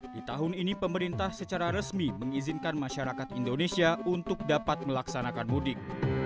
di tahun ini pemerintah secara resmi mengizinkan masyarakat indonesia untuk dapat melaksanakan mudik